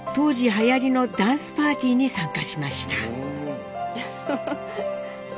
はやりのダンスパーティーに参加しました。